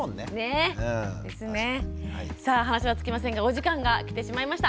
さあ話は尽きませんがお時間が来てしまいました。